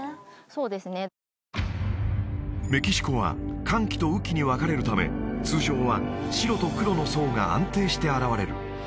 そうですねメキシコは乾季と雨季に分かれるため通常は白と黒の層が安定して現れる